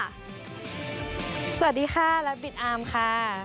สวัสดีค่ะรับบิดอามค่ะ